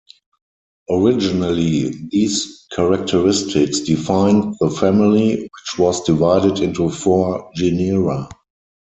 Originally, these characteristics defined the family, which was divided into four genera.